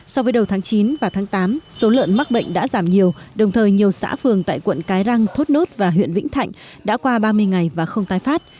so với đầu tháng chín và tháng tám số lợn mắc bệnh đã giảm nhiều đồng thời nhiều xã phường tại quận cái răng thốt nốt và huyện vĩnh thạnh đã qua ba mươi ngày và không tái phát